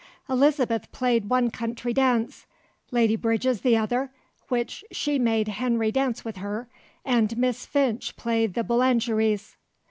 Elizabeth played one country dance, Lady Bridges the other, which she made Henry dance with her, and Miss Finch played the Boulangeries."